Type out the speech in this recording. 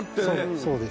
そうです。